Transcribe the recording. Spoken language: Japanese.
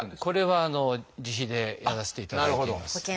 これは自費でやらせていただいています。